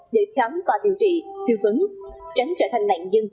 để khám và điều trị tiêu vấn tránh trở thành nạn dân